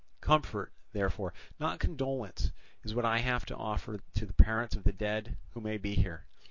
"Comfort, therefore, not condolence, is what I have to offer to the parents of the dead who may be here.